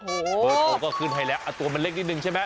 เปิดออกก็ขึ้นให้แล้วตัวมันเล็กนิดนึงใช่ไหม